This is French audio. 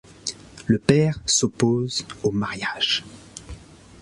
Le père s'oppose au mariage.